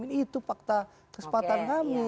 itu fakta kesempatan kami